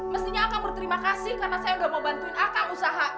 mestinya akang berterima kasih karena saya udah mau bantuin akang usaha